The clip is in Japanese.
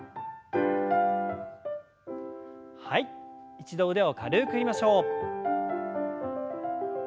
一度腕を軽く振りましょう。